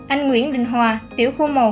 anh nguyễn đình hòa tiểu khu một